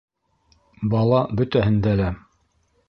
Бала бөтәһендә лә!